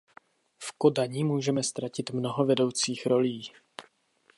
V Kodani můžeme ztratit mnoho vedoucích rolí.